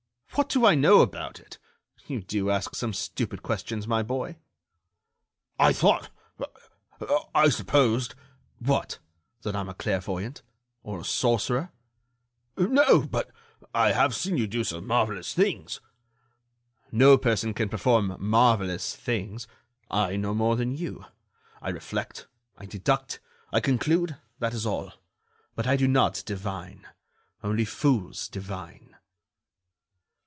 "What do I know about it? You do ask some stupid questions, my boy." "I thought ... I supposed——" "What? That I am a clairvoyant? Or a sorcerer?" "No, but I have seen you do some marvellous things." "No person can perform marvellous things. I no more than you. I reflect, I deduct, I conclude—that is all; but I do not divine. Only fools divine."